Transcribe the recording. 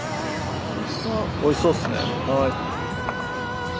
おいしそうっすね。